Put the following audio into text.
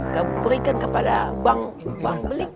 kamu berikan kepada bang beli